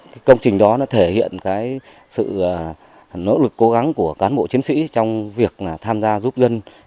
cái công trình đó nó thể hiện cái sự nỗ lực cố gắng của cán bộ chiến sĩ trong việc tham gia giúp dân